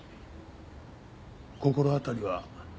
心当たりは？